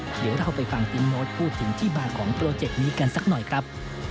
เดี๋ยวเราไปฟังติ๊มโน้ตพูดถึงที่มาของโปรเจกต์นี้กันสักหน่อยครับ